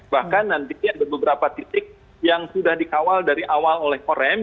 bahkan nanti ada beberapa titik yang sudah dikawal dari awal oleh korem